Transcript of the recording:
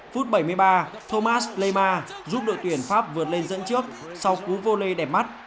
phút bảy mươi ba thomas leymar giúp đội tuyển pháp vượt lên dẫn trước sau cú vô lê đẹp mắt